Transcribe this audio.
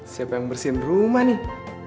siapa yang bersihin rumah nih